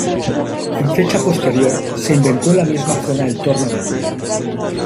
En fecha posterior se inventó en la misma zona el torno de pie.